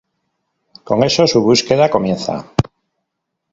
Con eso, su búsqueda comienza.